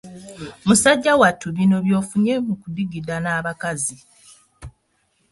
Musajja wattu, bino by'ofunye mu kudigida n'abakazi!